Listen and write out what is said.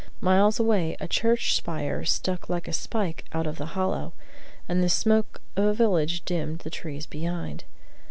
Miles away a church spire stuck like a spike out of the hollow, and the smoke of a village dimmed the trees behind.